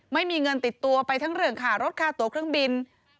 ไม่มีเงินติดตัวไปทั้งเรื่องค่ารถค่าตัวเครื่องบิน